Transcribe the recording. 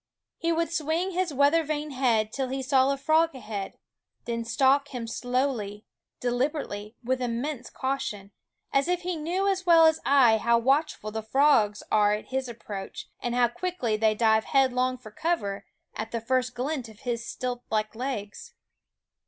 He would swing his weather vane head till he saw a frog ahead, then stalk him slowly, deliberately, with immense caution; as if he knew as well as I how watchful the frogs are at his approach, and how quickly they dive headlong for cover at the first glint of his stilt like legs.